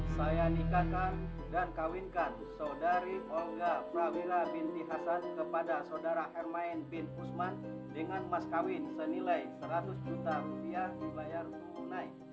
saya nikahkan dan kawinkan saudari ongga prawila binti hasan kepada saudara hermain bin usman dengan mas kawin senilai seratus juta rupiah dibayar tunai